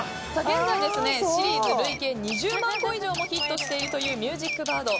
現在シリーズ累計２０万個以上もヒットしているというミュージックバード。